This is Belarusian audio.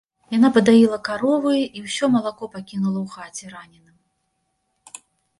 Яна падаіла каровы, і ўсё малако пакінула ў хаце раненым.